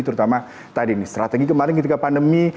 terutama tadi nih strategi kemarin ketika pandemi